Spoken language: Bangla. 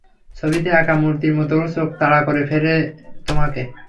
ছবিতে আঁকা মূর্তির মতো ওর চোখ তাড়া করে ফেরে তোমাকে।